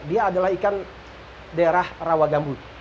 dia adalah ikan daerah rawa gambut